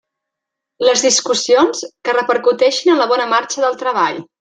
Les discussions que repercuteixin en la bona marxa del treball.